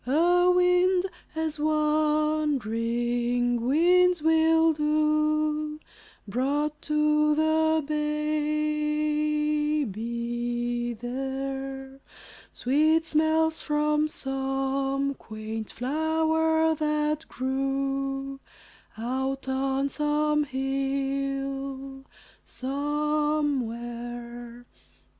A wind, as wandering winds will do, Brought to the baby there Sweet smells from some quaint flower that grew Out on some hill somewhere.